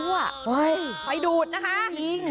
ใครดูดนะคะ